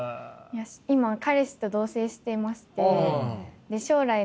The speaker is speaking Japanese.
今彼氏と同棲していまして。